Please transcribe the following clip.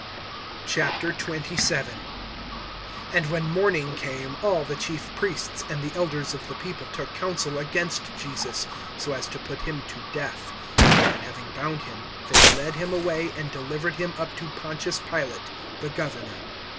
XXVII. AND when morning came, all the chief priests and the elders of the people took counsel against Jesus, so as to put him to death. (2)And having bound him, they led him away, and delivered him up to Pontius Pilate the governor.